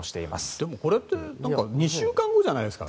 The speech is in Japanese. でも、これって２週間後じゃないですか。